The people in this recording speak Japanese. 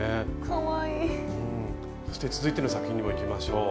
そして続いての作品にもいきましょう。